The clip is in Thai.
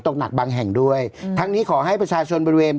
ก็คือช่วง